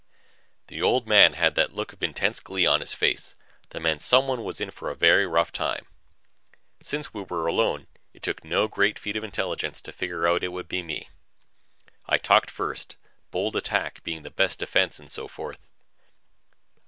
The Old Man had that look of intense glee on his face that meant someone was in for a very rough time. Since we were alone, it took no great feat of intelligence to figure it would be me. I talked first, bold attack being the best defense and so forth.